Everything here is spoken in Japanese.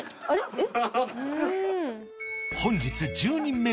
えっ？